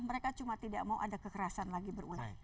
mereka cuma tidak mau ada kekerasan lagi berulang